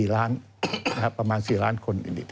๔ล้านประมาณ๔ล้านคน